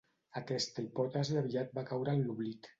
Aquesta hipòtesi aviat va caure en l'oblit.